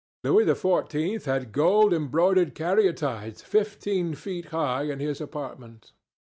Louis XIV. had gold embroidered caryatides fifteen feet high in his apartment.